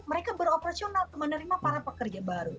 mereka beroperasional menerima para pekerja baru